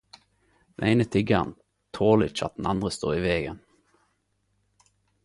Den eine tiggaren toler ikkje at den andre står i vegen.